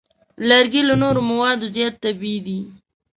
لرګی له نورو موادو زیات طبیعي دی.